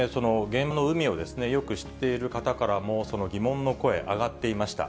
現場の海をよく知っている方からも、その疑問の声、上がっていました。